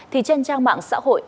thì trên trang mạng xã hội